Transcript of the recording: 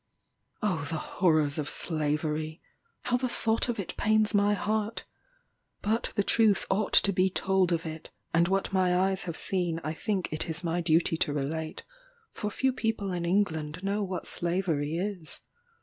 Oh the horrors of slavery! How the thought of it pains my heart! But the truth ought to be told of it; and what my eyes have seen I think it is my duty to relate; for few people in England know what slavery is.